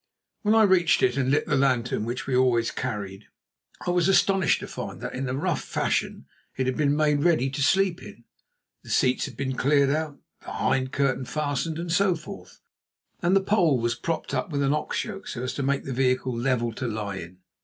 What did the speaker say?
When I reached it and lit the lantern which we always carried, I was astonished to find that, in a rough fashion, it had been made ready to sleep in. The seats had been cleared out, the hind curtain fastened, and so forth. Also the pole was propped up with an ox yoke so as to make the vehicle level to lie in.